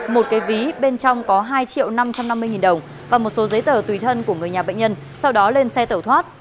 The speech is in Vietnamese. một cái ví bên trong có hai triệu năm trăm năm mươi nghìn đồng và một số giấy tờ tùy thân của người nhà bệnh nhân sau đó lên xe tẩu thoát